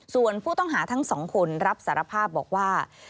ส่วนผู้ต้องหาทั้งสองคนรับสารภาพบอกว่า